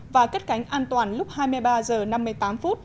và cất cánh an toàn lúc hai mươi ba h năm mươi tám phút